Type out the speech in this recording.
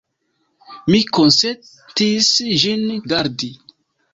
Mi konsentis ĝin gardi.